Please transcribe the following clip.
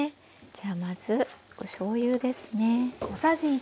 じゃあまずおしょうゆですね。